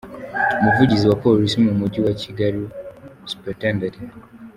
Umuvugizi wa Polisi mu mujyi wa Kigali, Supt.